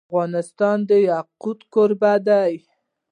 افغانستان د یاقوت کوربه دی.